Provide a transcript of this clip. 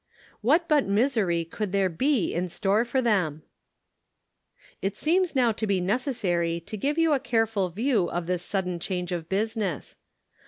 What but misery could there be in store for them ? It seems now to be necessary to give you a careful view of this sudden change of business.